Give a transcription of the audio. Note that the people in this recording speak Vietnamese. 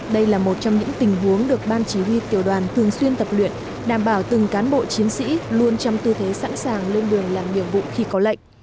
đây là một trong những tình huống được ban chỉ huy tiểu đoàn thường xuyên tập luyện đảm bảo từng cán bộ chiến sĩ luôn trong tư thế sẵn sàng lên đường làm nhiệm vụ khi có lệnh